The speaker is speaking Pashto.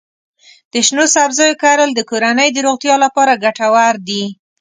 د شنو سبزیو کرل د کورنۍ د روغتیا لپاره ګټور دي.